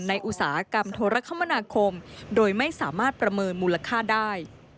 อุตสาหกรรมโทรคมนาคมโดยไม่สามารถประเมินมูลค่าได้